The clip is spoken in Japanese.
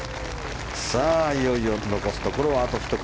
いよいよ残すところあと１組。